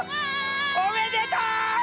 おめでとう！